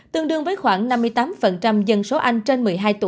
tương đương với khoảng năm mươi tám dân số anh trên một mươi hai tuổi